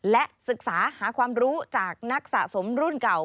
และศึกษาหาความรู้จากนักสะสมรุ่นเก่า